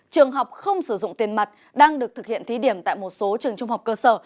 trường học không sử dụng tiền mặt đang được thực hiện thí điểm tại một số trường trung học cơ sở